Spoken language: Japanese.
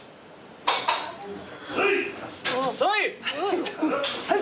・そい！